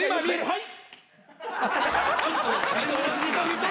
はい？